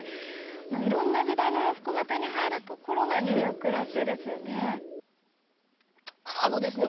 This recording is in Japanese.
いろんな時代の洋服が手に入るところがニューヨークらしいですよね。